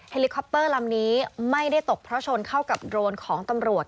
ลิคอปเตอร์ลำนี้ไม่ได้ตกเพราะชนเข้ากับโดรนของตำรวจ